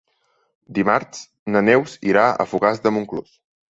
Dimarts na Neus irà a Fogars de Montclús.